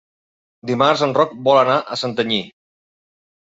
Dimarts en Roc vol anar a Santanyí.